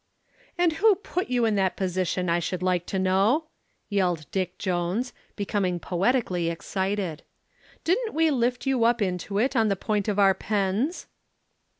"And who put you into that position, I should like to know?" yelled Dick Jones, becoming poetically excited. "Didn't we lift you up into it on the point of our pens?"